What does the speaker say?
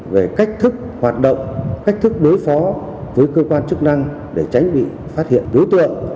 về cách thức hoạt động cách thức đối phó với cơ quan chức năng để tránh bị phát hiện đối tượng